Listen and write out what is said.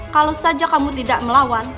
kalau saja kamu tidak melawan